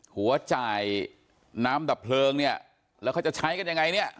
หัวจ่ายน้ำดับเพลิงเนี่ยแล้วเขาจะใช้กันยังไงเนี่ย